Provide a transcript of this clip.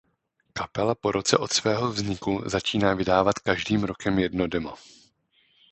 Kapela po roce od svého vzniku začíná vydávat každým rokem jedno demo.